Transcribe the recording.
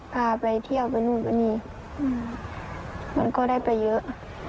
พาไปเที่ยวไปนู่นไปนี่มันก็ได้ไปเยอะ